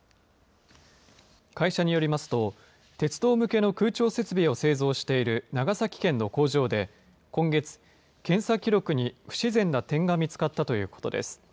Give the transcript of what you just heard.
会社によりますと、鉄道向けの空調設備を製造している長崎県の工場で今月、検査記録に不自然な点が見つかったということです。